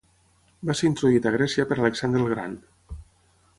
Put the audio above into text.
Va ser introduït a Grècia per Alexandre el Gran.